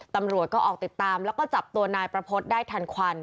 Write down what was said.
ตำรวจก็ออกติดตามแล้วก็จับตัวนายประพฤติได้ทันควัน